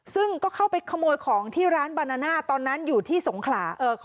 ซึ่งก็เข้าไปขโมยของที่ร้านบานาน่าตอนนั้นอยู่ที่สงขลา